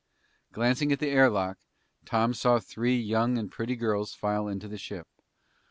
Glancing at the air lock, Tom saw three young and pretty girls file into the ship.